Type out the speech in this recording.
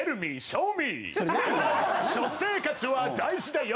「食生活は大事だよ」